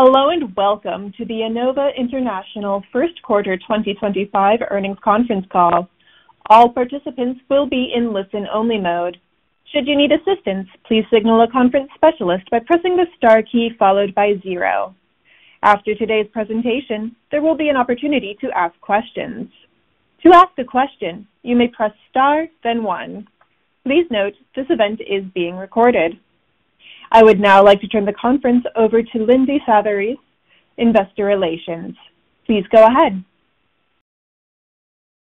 Hello and welcome to the Enova International First Quarter 2025 earnings conference call. All participants will be in listen-only mode. Should you need assistance, please signal a conference specialist by pressing the star key followed by zero. After today's presentation, there will be an opportunity to ask questions. To ask a question, you may press star, then one. Please note this event is being recorded. I would now like to turn the conference over to Lindsay Savarese, Investor Relations. Please go ahead.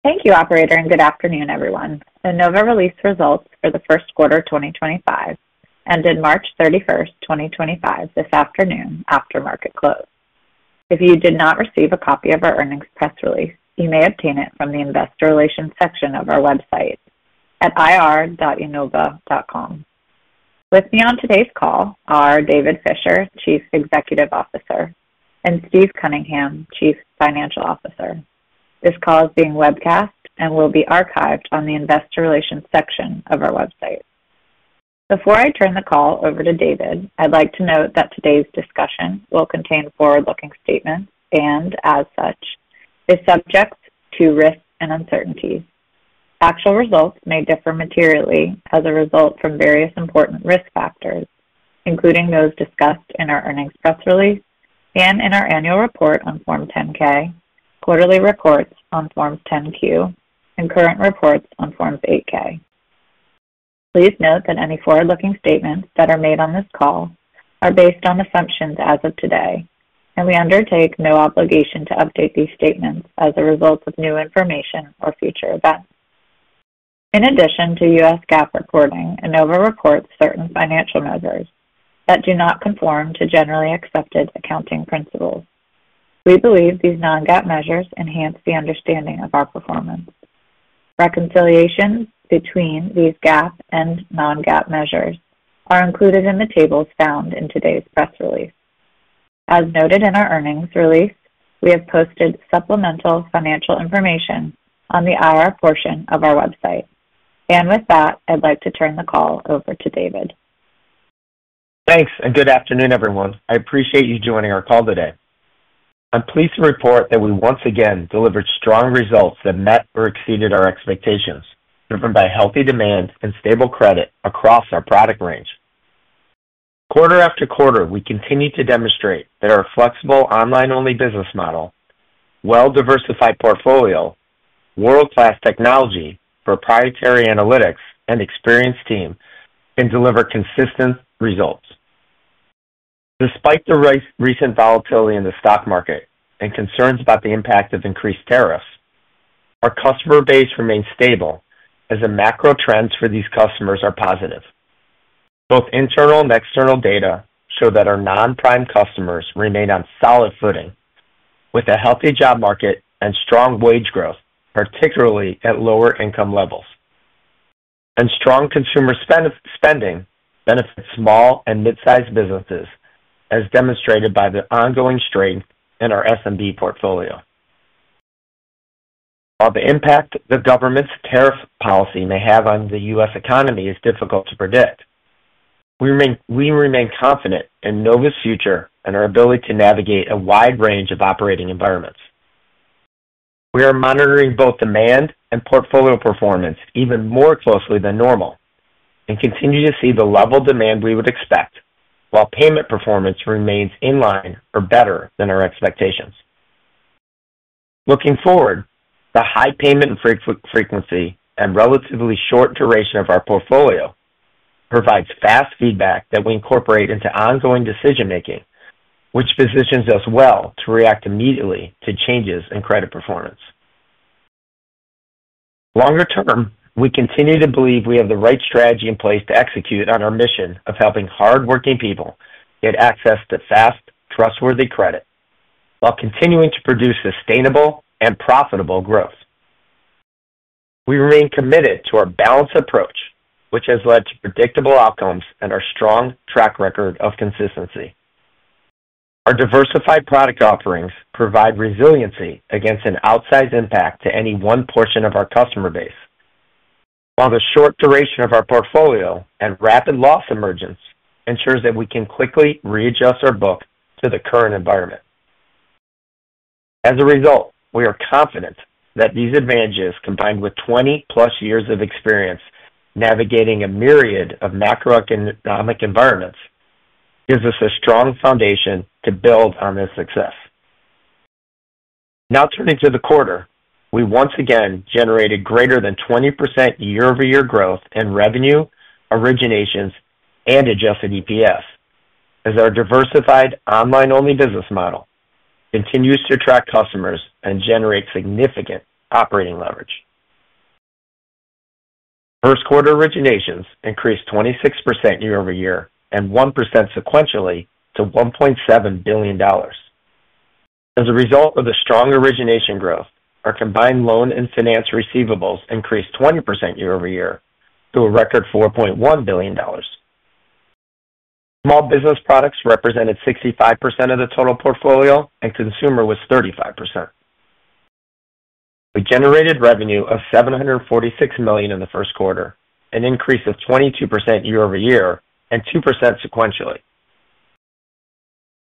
Thank you, Operator, and good afternoon, everyone. Enova released results for the first quarter 2025 and in March 31st, 2025, this afternoon after market close. If you did not receive a copy of our earnings press release, you may obtain it from the Investor Relations section of our website at ir.enova.com. With me on today's call are David Fisher, Chief Executive Officer, and Steve Cunningham, Chief Financial Officer. This call is being webcast and will be archived on the Investor Relations section of our website. Before I turn the call over to David, I'd like to note that today's discussion will contain forward-looking statements and, as such, is subject to risk and uncertainty. Actual results may differ materially as a result from various important risk factors, including those discussed in our earnings press release and in our annual report on Form 10-K, quarterly reports on Form 10-Q, and current reports on Form 8-K. Please note that any forward-looking statements that are made on this call are based on assumptions as of today, and we undertake no obligation to update these statements as a result of new information or future events. In addition to US GAAP reporting, Enova reports certain financial measures that do not conform to generally accepted accounting principles. We believe these non-GAAP measures enhance the understanding of our performance. Reconciliations between these GAAP and non-GAAP measures are included in the tables found in today's press release. As noted in our earnings release, we have posted supplemental financial information on the IR portion of our website. With that, I'd like to turn the call over to David. Thanks, and good afternoon, everyone. I appreciate you joining our call today. I'm pleased to report that we once again delivered strong results that met or exceeded our expectations, driven by healthy demand and stable credit across our product range. Quarter after quarter, we continue to demonstrate that our flexible online-only business model, well-diversified portfolio, world-class technology, proprietary analytics, and experienced team can deliver consistent results. Despite the recent volatility in the stock market and concerns about the impact of increased tariffs, our customer base remains stable as the macro trends for these customers are positive. Both internal and external data show that our non-prime customers remain on solid footing with a healthy job market and strong wage growth, particularly at lower income levels. Strong consumer spending benefits small and mid-sized businesses, as demonstrated by the ongoing strain in our SMB portfolio. While the impact the government's tariff policy may have on the U.S. economy is difficult to predict, we remain confident in Enova's future and our ability to navigate a wide range of operating environments. We are monitoring both demand and portfolio performance even more closely than normal and continue to see the level of demand we would expect while payment performance remains in line or better than our expectations. Looking forward, the high payment frequency and relatively short duration of our portfolio provides fast feedback that we incorporate into ongoing decision-making, which positions us well to react immediately to changes in credit performance. Longer term, we continue to believe we have the right strategy in place to execute on our mission of helping hardworking people get access to fast, trustworthy credit while continuing to produce sustainable and profitable growth. We remain committed to our balanced approach, which has led to predictable outcomes and our strong track record of consistency. Our diversified product offerings provide resiliency against an outsized impact to any one portion of our customer base, while the short duration of our portfolio and rapid loss emergence ensures that we can quickly readjust our book to the current environment. As a result, we are confident that these advantages, combined with 20+ years of experience navigating a myriad of macroeconomic environments, give us a strong foundation to build on this success. Now, turning to the quarter, we once again generated greater than 20% year-over-year growth in revenue, originations, and adjusted EPS as our diversified online-only business model continues to attract customers and generate significant operating leverage. First-quarter originations increased 26% year-over-year and 1% sequentially to $1.7 billion. As a result of the strong origination growth, our combined loan and finance receivables increased 20% year-over-year to a record $4.1 billion. Small business products represented 65% of the total portfolio, and consumer was 35%. We generated revenue of $746 million in the first quarter, an increase of 22% year-over-year and 2% sequentially.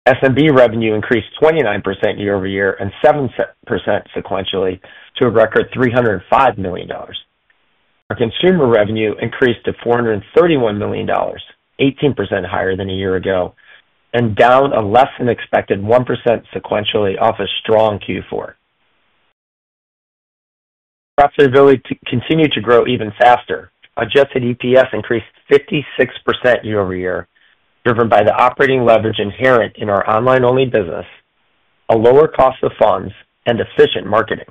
SMB revenue increased 29% year-over-year and 7% sequentially to a record $305 million. Our consumer revenue increased to $431 million, 18% higher than a year ago, and down a less-than-expected 1% sequentially off a strong Q4. Profitability continued to grow even faster. Adjusted EPS increased 56% year-over-year, driven by the operating leverage inherent in our online-only business, a lower cost of funds, and efficient marketing.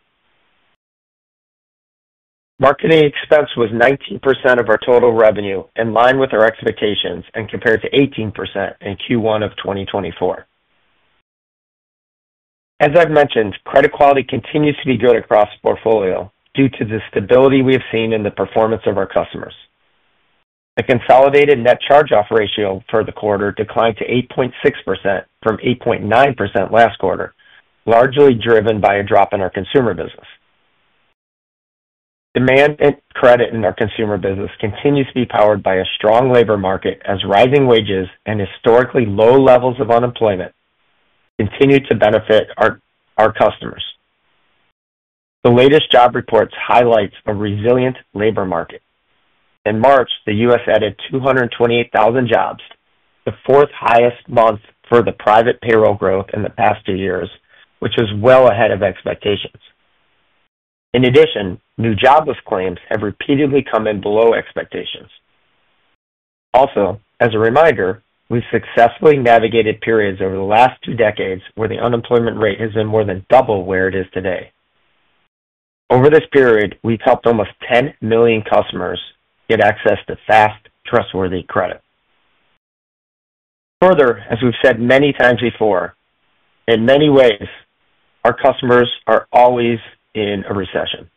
Marketing expense was 19% of our total revenue, in line with our expectations and compared to 18% in Q1 of 2024. As I've mentioned, credit quality continues to be good across the portfolio due to the stability we have seen in the performance of our customers. The consolidated net charge-off ratio for the quarter declined to 8.6% from 8.9% last quarter, largely driven by a drop in our consumer business. Demand and credit in our consumer business continues to be powered by a strong labor market as rising wages and historically low levels of unemployment continue to benefit our customers. The latest job reports highlight a resilient labor market. In March, the U.S. added 228,000 jobs, the fourth-highest month for the private payroll growth in the past two years, which was well ahead of expectations. In addition, new jobless claims have repeatedly come in below expectations. Also, as a reminder, we've successfully navigated periods over the last two decades where the unemployment rate has been more than double where it is today. Over this period, we've helped almost 10 million customers get access to fast, trustworthy credit. Further, as we've said many times before, in many ways, our customers are always in a recession.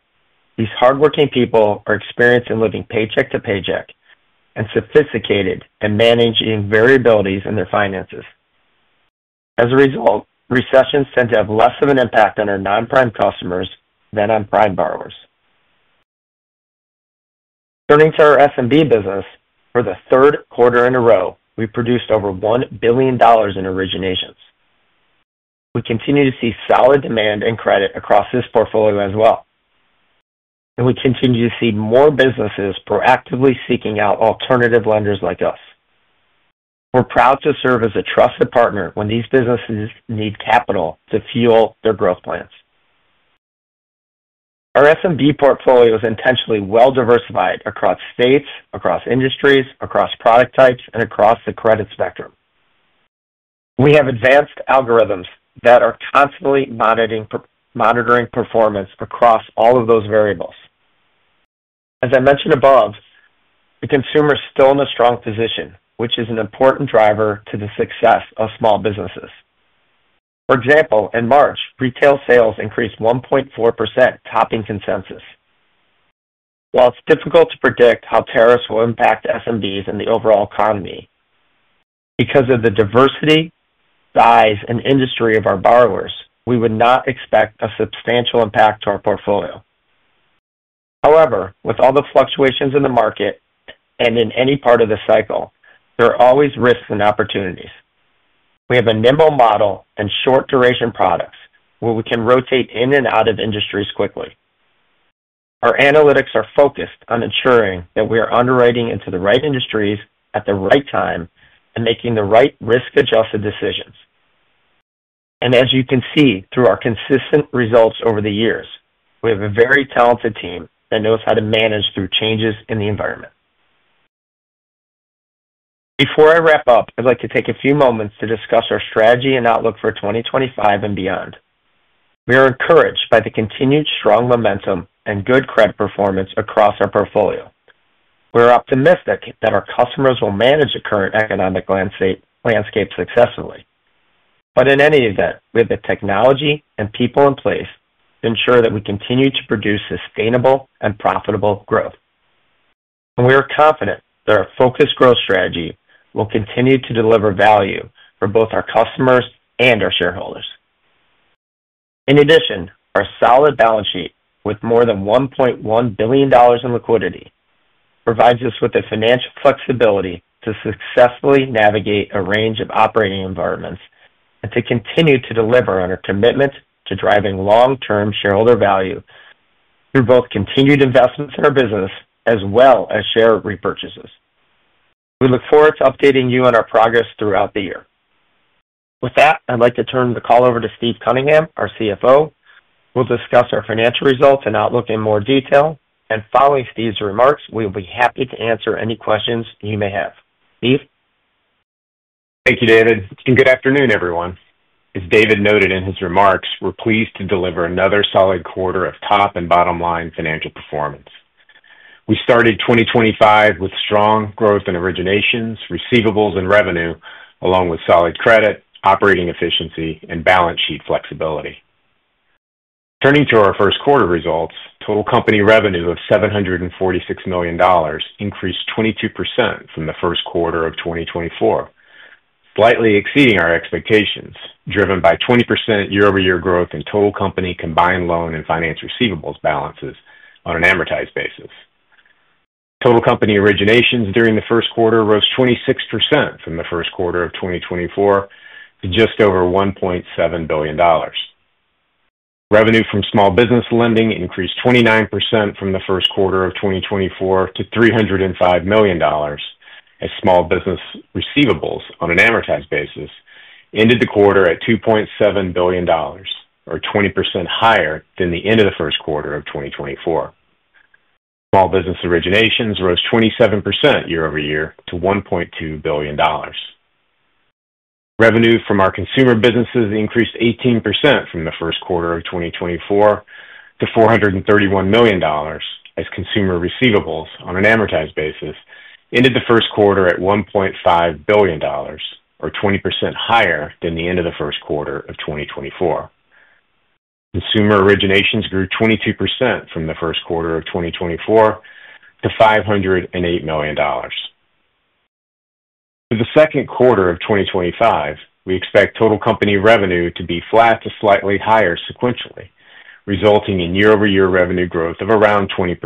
These hardworking people are experienced in living paycheck to paycheck and sophisticated in managing variabilities in their finances. As a result, recessions tend to have less of an impact on our non-prime customers than on prime borrowers. Turning to our SMB business, for the third quarter in a row, we produced over $1 billion in originations. We continue to see solid demand and credit across this portfolio as well. We continue to see more businesses proactively seeking out alternative lenders like us. We're proud to serve as a trusted partner when these businesses need capital to fuel their growth plans. Our SMB portfolio is intentionally well-diversified across states, across industries, across product types, and across the credit spectrum. We have advanced algorithms that are constantly monitoring performance across all of those variables. As I mentioned above, the consumer is still in a strong position, which is an important driver to the success of small businesses. For example, in March, retail sales increased 1.4%, topping consensus. While it's difficult to predict how tariffs will impact SMBs and the overall economy, because of the diversity, size, and industry of our borrowers, we would not expect a substantial impact to our portfolio. However, with all the fluctuations in the market and in any part of the cycle, there are always risks and opportunities. We have a nimble model and short-duration products where we can rotate in and out of industries quickly. Our analytics are focused on ensuring that we are underwriting into the right industries at the right time and making the right risk-adjusted decisions. As you can see through our consistent results over the years, we have a very talented team that knows how to manage through changes in the environment. Before I wrap up, I'd like to take a few moments to discuss our strategy and outlook for 2025 and beyond. We are encouraged by the continued strong momentum and good credit performance across our portfolio. We're optimistic that our customers will manage the current economic landscape successfully. In any event, we have the technology and people in place to ensure that we continue to produce sustainable and profitable growth. We are confident that our focused growth strategy will continue to deliver value for both our customers and our shareholders. In addition, our solid balance sheet with more than $1.1 billion in liquidity provides us with the financial flexibility to successfully navigate a range of operating environments and to continue to deliver on our commitment to driving long-term shareholder value through both continued investments in our business as well as share repurchases. We look forward to updating you on our progress throughout the year. With that, I'd like to turn the call over to Steve Cunningham, our CFO. He will discuss our financial results and outlook in more detail. Following Steve's remarks, we will be happy to answer any questions you may have. Steve? Thank you, David. Good afternoon, everyone. As David noted in his remarks, we are pleased to deliver another solid quarter of top and bottom-line financial performance. We started 2025 with strong growth in originations, receivables, and revenue, along with solid credit, operating efficiency, and balance sheet flexibility. Turning to our first-quarter results, total company revenue of $746 million increased 22% from the first quarter of 2024, slightly exceeding our expectations, driven by 20% year-over-year growth in total company combined loan and finance receivables balances on an amortized basis. Total company originations during the first quarter rose 26% from the first quarter of 2024 to just over $1.7 billion. Revenue from small business lending increased 29% from the first quarter of 2024 to $305 million as small business receivables on an amortized basis ended the quarter at $2.7 billion, or 20% higher than the end of the first quarter of 2024. Small business originations rose 27% year-over-year to $1.2 billion. Revenue from our consumer businesses increased 18% from the first quarter of 2024 to $431 million as consumer receivables on an amortized basis ended the first quarter at $1.5 billion, or 20% higher than the end of the first quarter of 2024. Consumer originations grew 22% from the first quarter of 2024 to $508 million. For the second quarter of 2025, we expect total company revenue to be flat to slightly higher sequentially, resulting in year-over-year revenue growth of around 20%.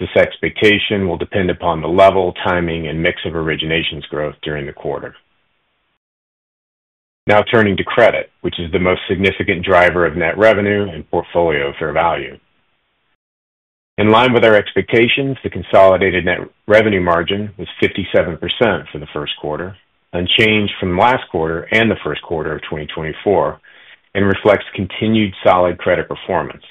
This expectation will depend upon the level, timing, and mix of originations growth during the quarter. Now turning to credit, which is the most significant driver of net revenue and portfolio fair value. In line with our expectations, the consolidated net revenue margin was 57% for the first quarter, unchanged from last quarter and the first quarter of 2024, and reflects continued solid credit performance.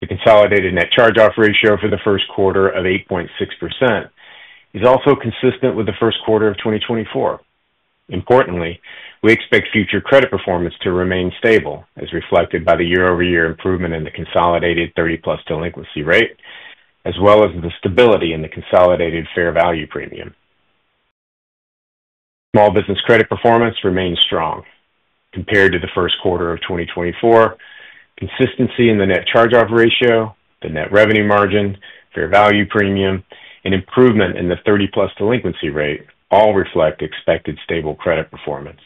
The consolidated net charge-off ratio for the first quarter of 8.6% is also consistent with the first quarter of 2024. Importantly, we expect future credit performance to remain stable, as reflected by the year-over-year improvement in the consolidated 30+ delinquency rate, as well as the stability in the consolidated fair value premium. Small business credit performance remains strong. Compared to the first quarter of 2024, consistency in the net charge-off ratio, the net revenue margin, fair value premium, and improvement in the 30+ delinquency rate all reflect expected stable credit performance.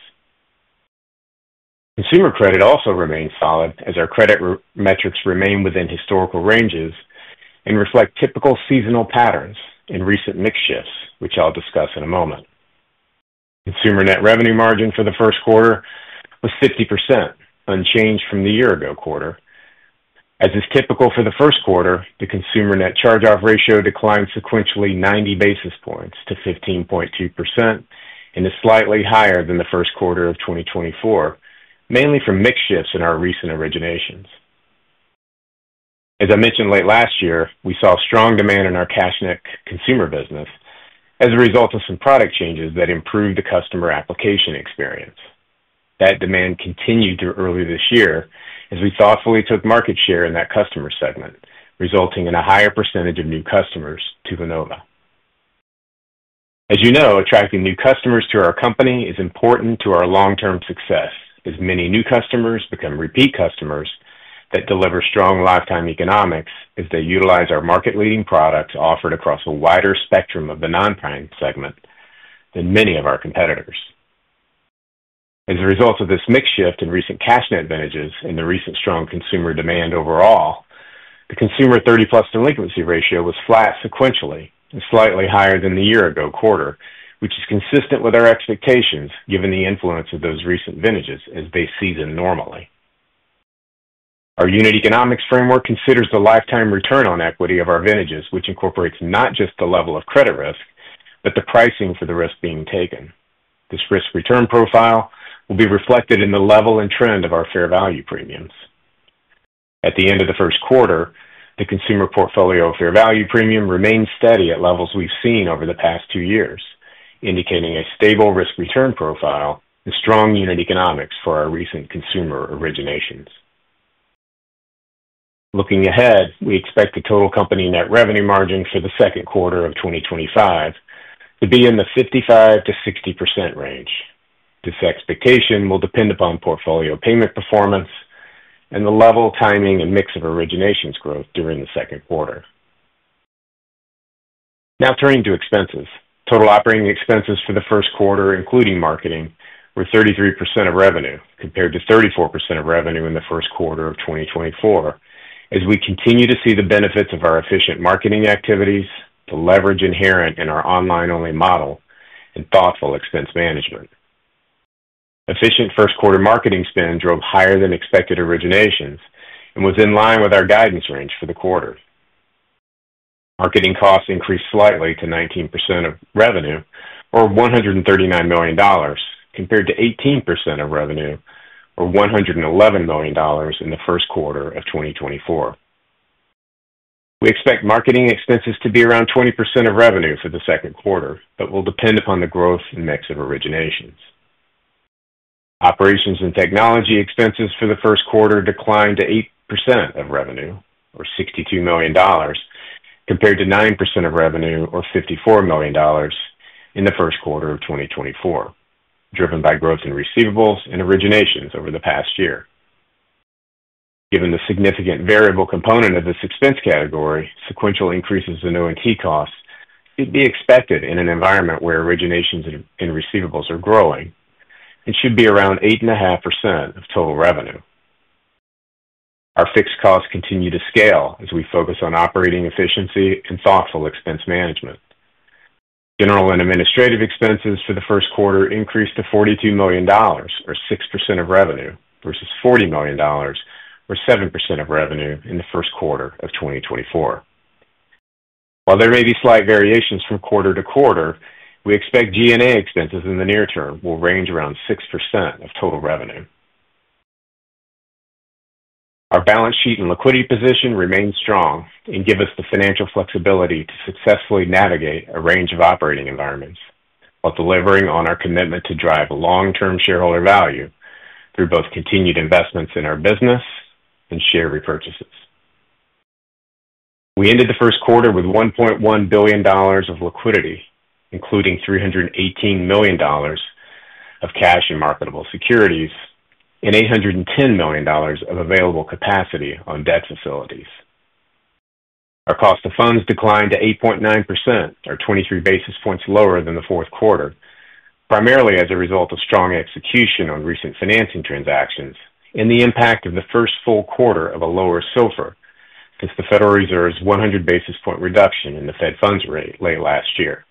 Consumer credit also remains solid as our credit metrics remain within historical ranges and reflect typical seasonal patterns in recent mix shifts, which I'll discuss in a moment. Consumer net revenue margin for the first quarter was 50%, unchanged from the year-ago quarter. As is typical for the first quarter, the consumer net charge-off ratio declined sequentially 90 basis points to 15.2% and is slightly higher than the first quarter of 2023, mainly from mix shifts in our recent originations. As I mentioned late last year, we saw strong demand in our CashNetUSA consumer business as a result of some product changes that improved the customer application experience. That demand continued through early this year as we thoughtfully took market share in that customer segment, resulting in a higher percentage of new customers to Enova. As you know, attracting new customers to our company is important to our long-term success as many new customers become repeat customers that deliver strong lifetime economics as they utilize our market-leading products offered across a wider spectrum of the non-prime segment than many of our competitors. As a result of this mix shift in recent CashNetUSA vintages and the recent strong consumer demand overall, the consumer 30+ delinquency ratio was flat sequentially and slightly higher than the year-ago quarter, which is consistent with our expectations given the influence of those recent vintages as they season normally. Our unit economics framework considers the lifetime return on equity of our vintages, which incorporates not just the level of credit risk, but the pricing for the risk being taken. This risk-return profile will be reflected in the level and trend of our fair value premiums. At the end of the first quarter, the consumer portfolio fair value premium remained steady at levels we've seen over the past two years, indicating a stable risk-return profile and strong unit economics for our recent consumer originations. Looking ahead, we expect the total company net revenue margin for the second quarter of 2025 to be in the 55%-60% range. This expectation will depend upon portfolio payment performance and the level, timing, and mix of originations growth during the second quarter. Now turning to expenses. Total operating expenses for the first quarter, including marketing, were 33% of revenue compared to 34% of revenue in the first quarter of 2024 as we continue to see the benefits of our efficient marketing activities, the leverage inherent in our online-only model, and thoughtful expense management. Efficient first-quarter marketing spend drove higher than expected originations and was in line with our guidance range for the quarter. Marketing costs increased slightly to 19% of revenue, or $139 million, compared to 18% of revenue, or $111 million in the first quarter of 2024. We expect marketing expenses to be around 20% of revenue for the second quarter, but will depend upon the growth and mix of originations. Operations and technology expenses for the first quarter declined to 8% of revenue, or $62 million, compared to 9% of revenue, or $54 million, in the first quarter of 2024, driven by growth in receivables and originations over the past year. Given the significant variable component of this expense category, sequential increases in O&T costs should be expected in an environment where originations and receivables are growing and should be around 8.5% of total revenue. Our fixed costs continue to scale as we focus on operating efficiency and thoughtful expense management. General and administrative expenses for the first quarter increased to $42 million, or 6% of revenue, versus $40 million, or 7% of revenue in the first quarter of 2024. While there may be slight variations from quarter to quarter, we expect G&A expenses in the near term will range around 6% of total revenue. Our balance sheet and liquidity position remain strong and give us the financial flexibility to successfully navigate a range of operating environments while delivering on our commitment to drive long-term shareholder value through both continued investments in our business and share repurchases. We ended the first quarter with $1.1 billion of liquidity, including $318 million of cash and marketable securities and $810 million of available capacity on debt facilities. Our cost of funds declined to 8.9%, or 23 basis points lower than the fourth quarter, primarily as a result of strong execution on recent financing transactions and the impact of the first full quarter of a lower SOFR since the Federal Reserve's 100 basis point reduction in the Fed funds rate late last year.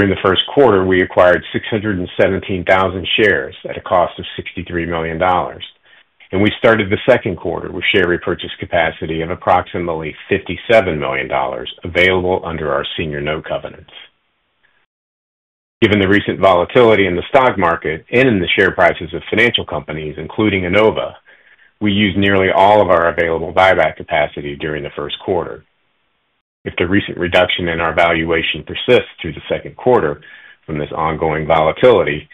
During the first quarter, we acquired 617,000 shares at a cost of $63 million, and we started the second quarter with share repurchase capacity of approximately $57 million available under our senior note covenants. Given the recent volatility in the stock market and in the share prices of financial companies, including Enova, we used nearly all of our available buyback capacity during the first quarter. If the recent reduction in our valuation persists through the second quarter from this ongoing volatility,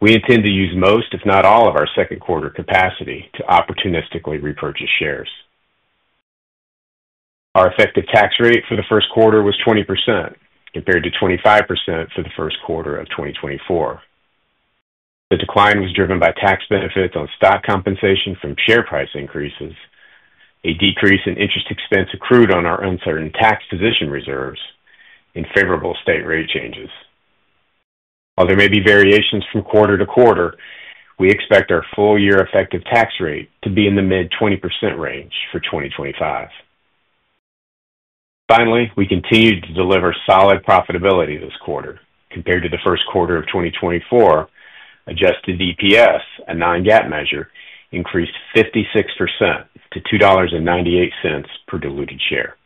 we intend to use most, if not all, of our second quarter capacity to opportunistically repurchase shares. Our effective tax rate for the first quarter was 20% compared to 25% for the first quarter of 2024. The decline was driven by tax benefits on stock compensation from share price increases, a decrease in interest expense accrued on our uncertain tax position reserves, and favorable state rate changes. While there may be variations from quarter to quarter, we expect our full-year effective tax rate to be in the mid-20% range for 2025. Finally, we continued to deliver solid profitability this quarter. Compared to the first quarter of 2024, adjusted EPS, a non-GAAP measure, increased 56% to $2.98 per diluted share.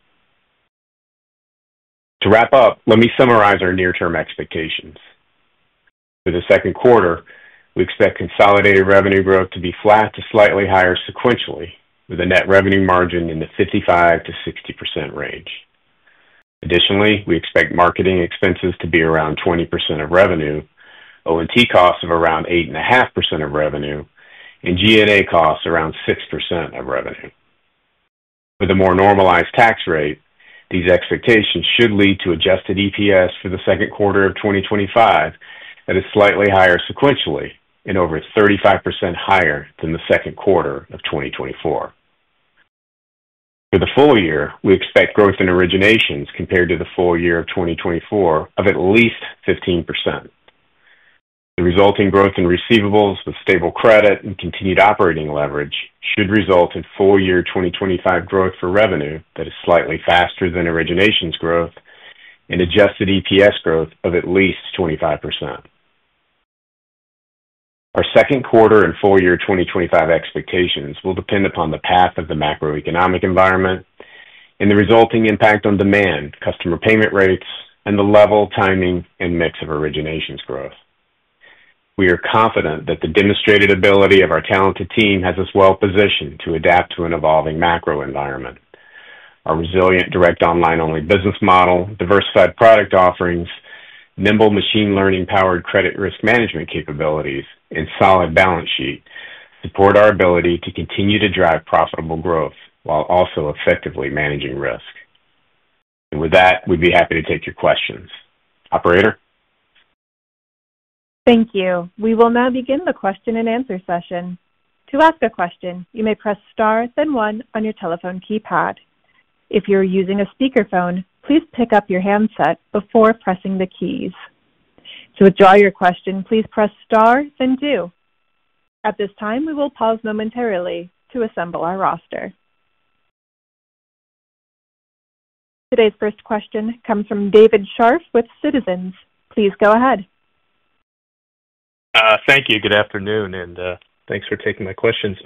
To wrap up, let me summarize our near-term expectations. For the second quarter, we expect consolidated revenue growth to be flat to slightly higher sequentially, with a net revenue margin in the 55%-60% range. Additionally, we expect marketing expenses to be around 20% of revenue, O&T costs of around 8.5% of revenue, and G&A costs around 6% of revenue. With a more normalized tax rate, these expectations should lead to adjusted EPS for the second quarter of 2025 that is slightly higher sequentially and over 35% higher than the second quarter of 2024. For the full year, we expect growth in originations compared to the full year of 2024 of at least 15%. The resulting growth in receivables with stable credit and continued operating leverage should result in full-year 2025 growth for revenue that is slightly faster than originations growth and adjusted EPS growth of at least 25%. Our second quarter and full-year 2025 expectations will depend upon the path of the macroeconomic environment and the resulting impact on demand, customer payment rates, and the level, timing, and mix of originations growth. We are confident that the demonstrated ability of our talented team has us well-positioned to adapt to an evolving macro environment. Our resilient direct online-only business model, diversified product offerings, nimble machine learning-powered credit risk management capabilities, and solid balance sheet support our ability to continue to drive profitable growth while also effectively managing risk. We would be happy to take your questions. Operator? Thank you. We will now begin the question and answer session. To ask a question, you may press star, then one on your telephone keypad. If you are using a speakerphone, please pick up your handset before pressing the keys. To withdraw your question, please press star, then two. At this time, we will pause momentarily to assemble our roster. Today's first question comes from David Scharf with Citizens. Please go ahead. Thank you. Good afternoon, and thanks for taking my questions.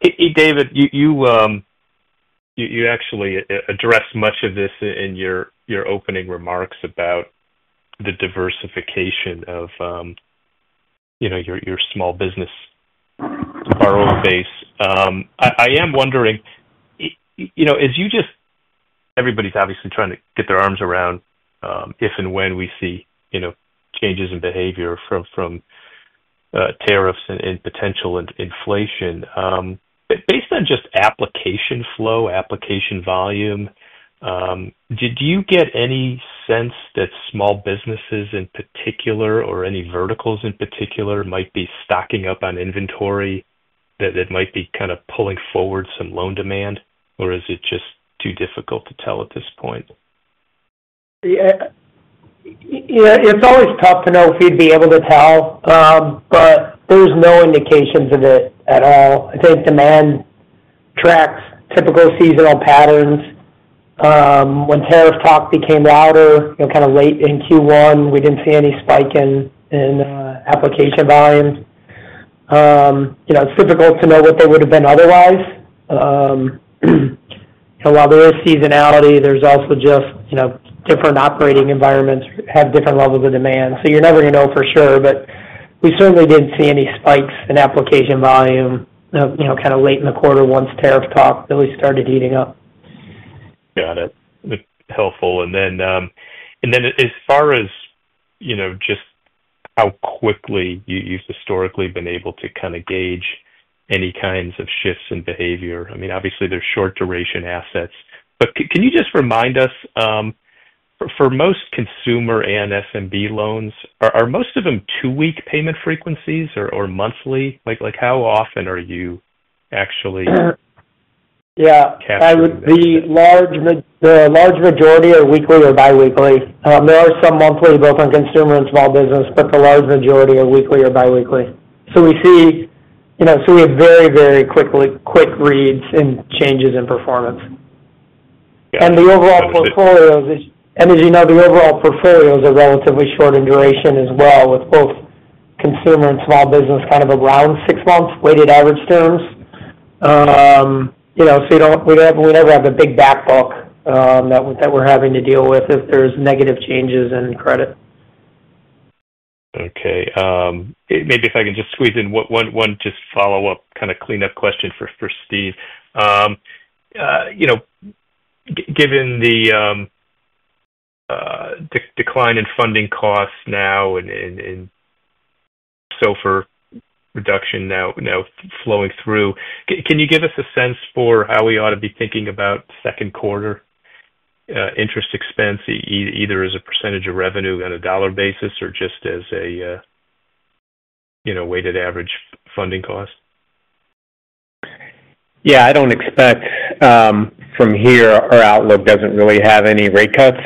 Hey, David, you actually addressed much of this in your opening remarks about the diversification of your small business borrower base. I am wondering, as you just—everybody's obviously trying to get their arms around if and when we see changes in behavior from tariffs and potential inflation. Based on just application flow, application volume, do you get any sense that small businesses in particular, or any verticals in particular, might be stocking up on inventory that might be kind of pulling forward some loan demand, or is it just too difficult to tell at this point? It's always tough to know if you'd be able to tell, but there's no indications of it at all. I think demand tracks typical seasonal patterns. When tariff talk became louder, kind of late in Q1, we did not see any spike in application volumes. It is difficult to know what they would have been otherwise. A lot of the seasonality, there is also just different operating environments have different levels of demand. You are never going to know for sure, but we certainly did not see any spikes in application volume kind of late in the quarter once tariff talk really started heating up. Got it. Helpful. As far as just how quickly you have historically been able to kind of gauge any kinds of shifts in behavior. I mean, obviously, they are short-duration assets. Can you just remind us, for most consumer and SMB loans, are most of them two-week payment frequencies or monthly? How often are you actually— Yeah, that would be the large majority are weekly or biweekly. There are some monthly both on consumer and small business, but the large majority are weekly or biweekly. We see—we have very, very quick reads and changes in performance. The overall portfolios is—as you know, the overall portfolios are relatively short in duration as well, with both consumer and small business out of around six months weighted average terms. We never have a big backlog that we're having to deal with if there's negative changes in credit. Okay. Maybe if I can just squeeze in one just follow-up kind of cleanup question for Steve. Given the decline in funding costs now and for reduction now flowing through, can you give us a sense for how we ought to be thinking about second quarter interest expense, either as a percentage of revenue on a dollar basis or just as a weighted average funding cost? Yeah, I don't expect from here our outlook doesn't really have any rate cuts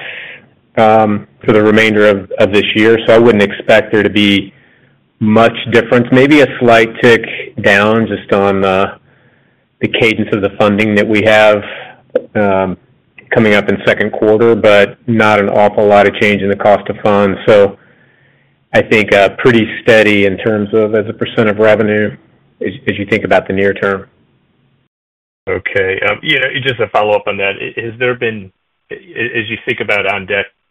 for the remainder of this year. I wouldn't expect there to be much difference. Maybe a slight tick down just on the cadence of the funding that we have coming up in second quarter, but not an awful lot of change in the cost of funds. I think pretty steady in terms of as a percent of revenue as you think about the near term. Okay. Just to follow up on that, has there been, as you think about OnDeck securitizations,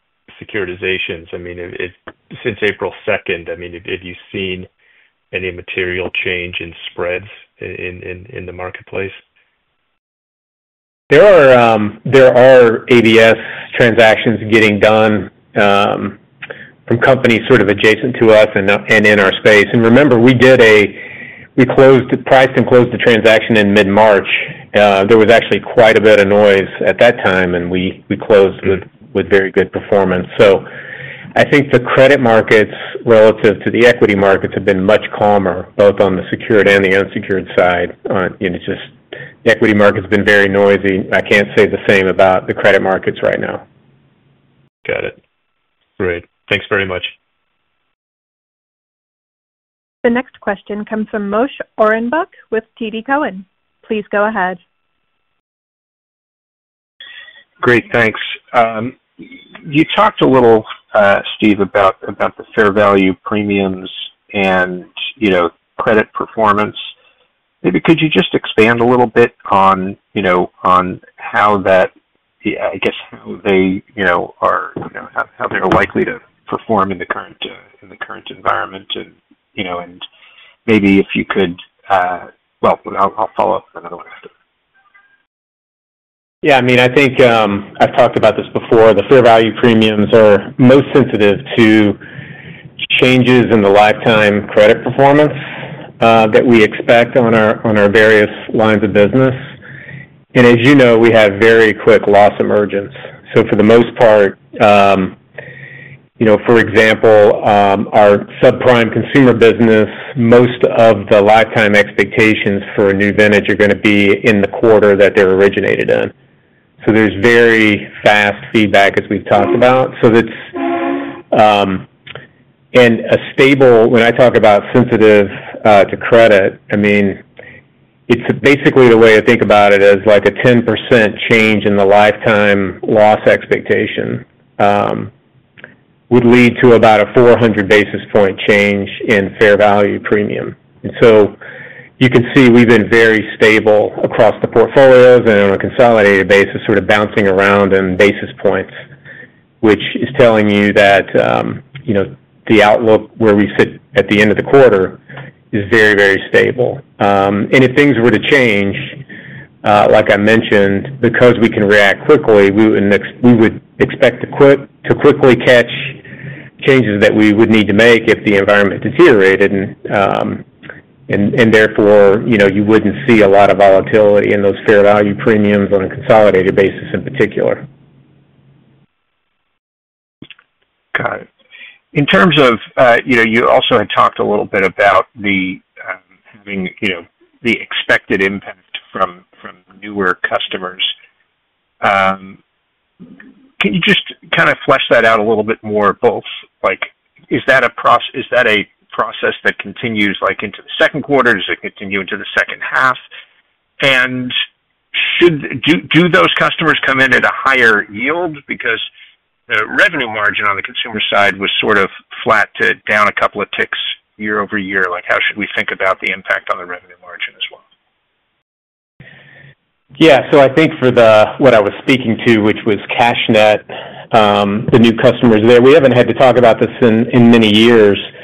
I mean, since April 2nd, I mean, have you seen any material change in spreads in the marketplace? There are ABF transactions getting done from companies sort of adjacent to us and in our space. Remember, we closed the price and closed the transaction in mid-March. There was actually quite a bit of noise at that time, and we closed with very good performance. I think the credit markets relative to the equity markets have been much calmer, both on the secured and the unsecured side. Just the equity markets have been very noisy. I can't say the same about the credit markets right now. Got it. Great. Thanks very much. The next question comes from Moshe Orenbuch with TD Cowen. Please go ahead. Great. Thanks. You talked a little, Steve, about the fair value premiums and credit performance. Maybe could you just expand a little bit on how that, I guess, how they are—how they're likely to perform in the current environment? And maybe if you could—I'll follow up with another one after that. Yeah. I mean, I think I've talked about this before. The fair value premiums are most sensitive to changes in the lifetime credit performance that we expect on our various lines of business. As you know, we have very quick loss emergence. For the most part, for example, our subprime consumer business, most of the lifetime expectations for a new venture are going to be in the quarter that they're originated in. There is very fast feedback, as we've talked about. A stable—when I talk about sensitive to credit, I mean, it's basically the way I think about it is like a 10% change in the lifetime loss expectation would lead to about a 400 basis point change in fair value premium. You can see we have been very stable across the portfolios and on a consolidated basis, sort of bouncing around in basis points, which is telling you that the outlook where we sit at the end of the quarter is very, very stable. If things were to change, like I mentioned, because we can react quickly, we would expect to quickly catch changes that we would need to make if the environment deteriorated. Therefore, you would not see a lot of volatility in those fair value premiums on a consolidated basis in particular. Got it. In terms of you also had talked a little bit about having the expected impact from newer customers. Can you just kind of flesh that out a little bit more? Both, is that a process that continues into the second quarter? Does it continue into the second half? Do those customers come in at a higher yield? Because the revenue margin on the consumer side was sort of flat to down a couple of ticks year-over-year. How should we think about the impact on the revenue margin as well? Yeah. I think for what I was speaking to, which was CashNetUSA, the new customers there, we have not had to talk about this in many years, but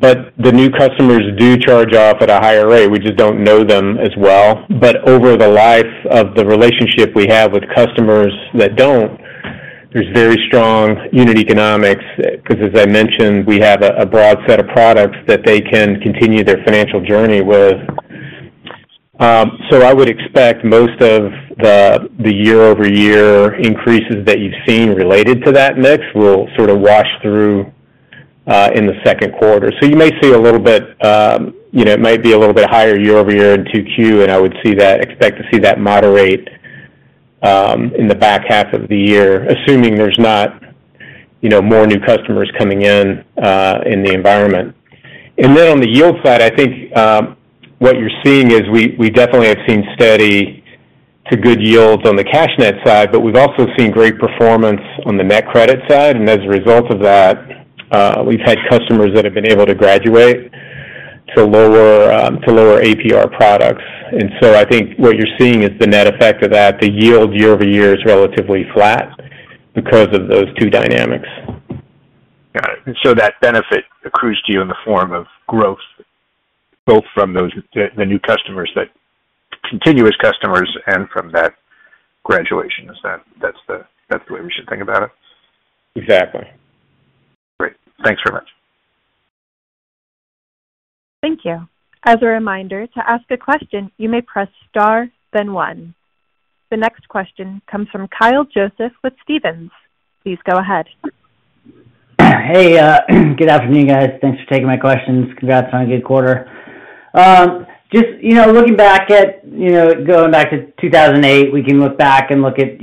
the new customers do charge up at a higher rate. We just do not know them as well. Over the life of the relationship we have with customers that do not, there are very strong unit economics because, as I mentioned, we have a broad set of products that they can continue their financial journey with. I would expect most of the year-over-year increases that you've seen related to that mix will sort of wash through in the second quarter. You may see a little bit—it might be a little bit higher year-over-year in Q2, and I would expect to see that moderate in the back half of the year, assuming there's not more new customers coming in in the environment. On the yield side, I think what you're seeing is we definitely have seen steady to good yields on the CashNetUSA side, but we've also seen great performance on the NetCredit side. As a result of that, we've had customers that have been able to graduate to lower APR products. I think what you're seeing is the net effect of that. The yield year-over-year is relatively flat because of those two dynamics. Got it. That benefit accrues to you in the form of growth, both from the new customers, the continuous customers, and from that graduation. That's the way we should think about it. Exactly. Great. Thanks very much. Thank you. As a reminder, to ask a question, you may press star, then one. The next question comes from Kyle Joseph with Stephens. Please go ahead. Hey. Good afternoon, guys. Thanks for taking my questions. Congrats on a good quarter. Just looking back at going back to 2008, we can look back and look at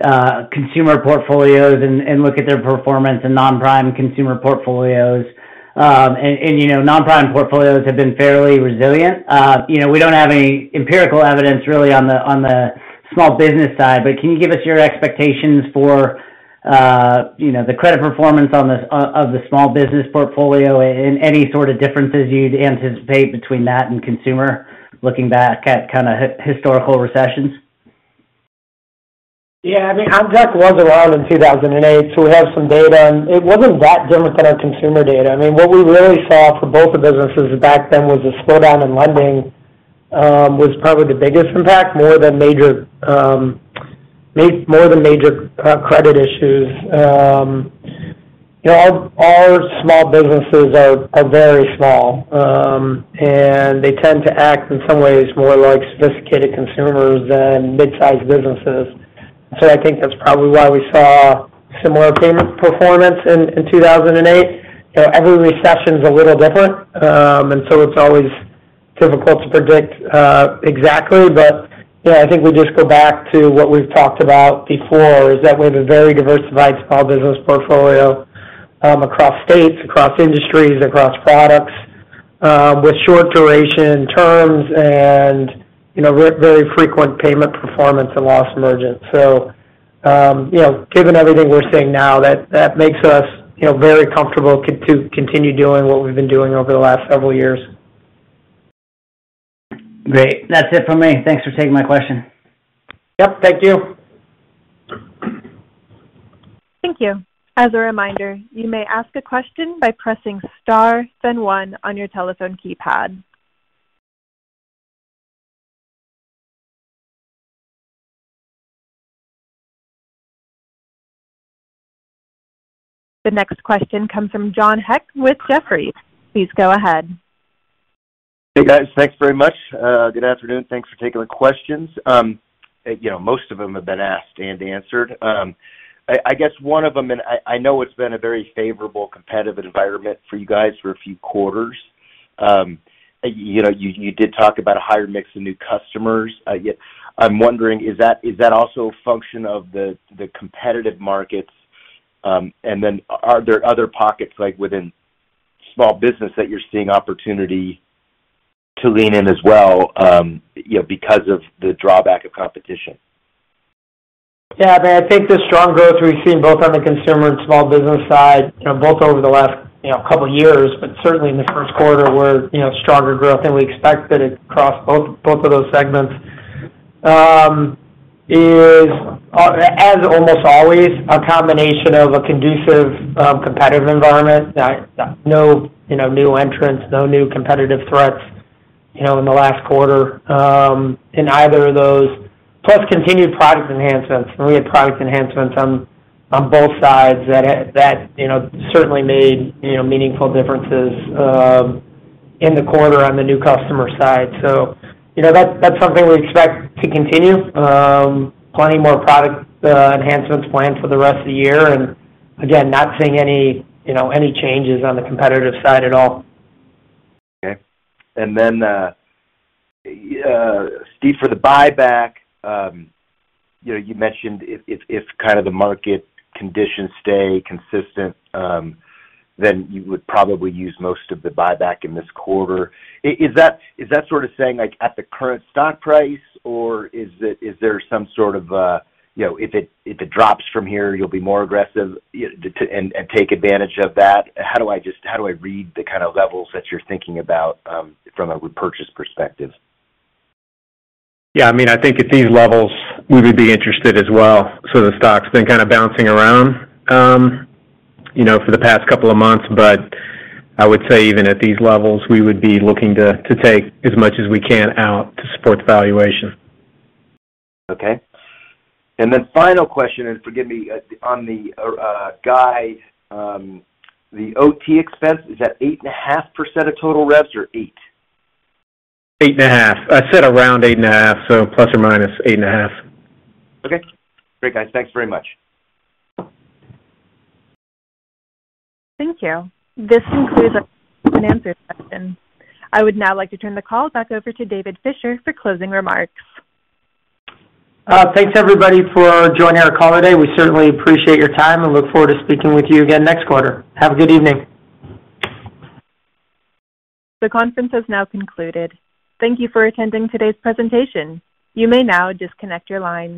consumer portfolios and look at their performance in non-prime consumer portfolios. And non-prime portfolios have been fairly resilient. We do not have any empirical evidence really on the small business side, but can you give us your expectations for the credit performance of the small business portfolio and any sort of differences you would anticipate between that and consumer looking back at kind of historical recessions? Yeah. I mean, I am back once around in 2008, so we have some data. And it was not that different than our consumer data. I mean, what we really saw for both the businesses back then was a slowdown in lending was probably the biggest impact, more than major credit issues. Our small businesses are very small, and they tend to act in some ways more like sophisticated consumers than mid-sized businesses. I think that is probably why we saw similar payment performance in 2008. Every recession is a little different. It is always difficult to predict exactly. Yeah, I think we just go back to what we've talked about before, is that we have a very diversified small business portfolio across states, across industries, across products with short-duration terms and very frequent payment performance and loss emergence. Given everything we're seeing now, that makes us very comfortable to continue doing what we've been doing over the last several years. Great. That's it for me. Thanks for taking my question. Yep. Thank you. Thank you. As a reminder, you may ask a question by pressing star, then one on your telephone keypad. The next question comes from John Hecht with Jefferies. Please go ahead. Hey, guys. Thanks very much. Good afternoon. Thanks for taking the questions. Most of them have been asked and answered. I guess one of them, and I know it's been a very favorable competitive environment for you guys for a few quarters. You did talk about a higher mix of new customers. I'm wondering, is that also a function of the competitive markets? Are there other pockets within small business that you're seeing opportunity to lean in as well because of the drawback of competition? Yeah. I mean, I think the strong growth we've seen both on the consumer and small business side, both over the last couple of years, but certainly in the first quarter, were stronger growth, and we expect that it crossed both of those segments. As almost always, a combination of a conducive competitive environment. No new entrants, no new competitive threats in the last quarter in either of those, plus continued product enhancements. We had product enhancements on both sides that certainly made meaningful differences in the quarter on the new customer side. That's something we expect to continue. Plenty more product enhancements planned for the rest of the year. Again, not seeing any changes on the competitive side at all. Okay. Steve, for the buyback, you mentioned if kind of the market conditions stay consistent, then you would probably use most of the buyback in this quarter. Is that sort of saying at the current stock price, or is there some sort of, if it drops from here, you'll be more aggressive and take advantage of that? How do I read the kind of levels that you're thinking about from a repurchase perspective? Yeah. I mean, I think at these levels, we would be interested as well. The stock's been kind of bouncing around for the past couple of months. I would say even at these levels, we would be looking to take as much as we can out to support the valuation. Okay. And then final question is, forgive me, on the guide, the OT expense, is that 8.5% of total revs or 8%? 8.5%. I said around 8.5%, so ±8.5%. Okay. Great, guys. Thanks very much. Thank you. This concludes our question-and-answer session. I would now like to turn the call back over to David Fisher for closing remarks. Thanks, everybody, for joining our call today. We certainly appreciate your time and look forward to speaking with you again next quarter. Have a good evening. The conference has now concluded. Thank you for attending today's presentation. You may now disconnect your line.